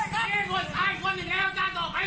ไม่เกียวไป